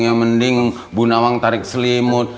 yang mending bu nawang tarik selimut